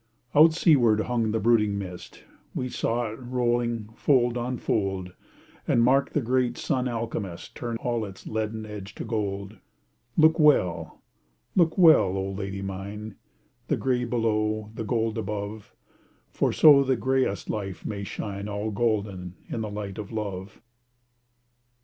Out seaward hung the brooding mist We saw it rolling, fold on fold, And marked the great Sun alchemist Turn all its leaden edge to gold, Look well, look well, oh lady mine, The gray below, the gold above, For so the grayest life may shine All golden in the light of love.